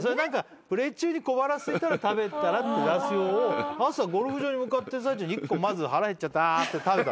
プレー中に小腹すいたら食べたらって出す用を朝ゴルフ場に向かってる最中に１個腹減っちゃったって食べた。